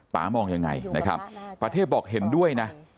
ประเทพมองยังไงนะครับประเทพบอกเห็นด้วยนะ